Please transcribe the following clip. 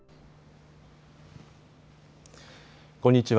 こんにちは。